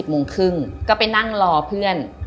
โมงครึ่งก็ไปนั่งรอเพื่อน